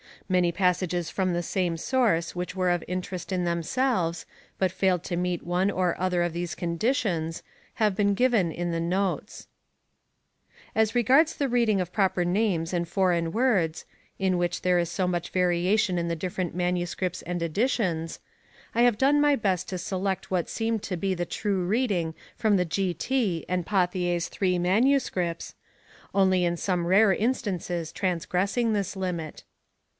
Many passages from the same source which were of interest in themselves, but failed to meet one or other of these conditions, have been given in the notes.* 91. As regards the reading of proper names and foreign words, in which there is so much variation in the different MSS. Mode of ^'^^ editions, I have done my best to select what prope""° seemed to be the true reading from the G. T. and names. Pauthier's three MSS., only in some rare instances transgressing this limit.